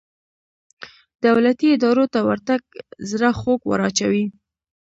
دولتي ادارو ته ورتګ زړه خوږ وراچوي.